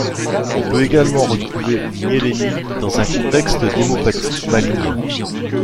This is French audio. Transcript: On peut également retrouver une myélémie dans un contexte d'hémopathie maligne.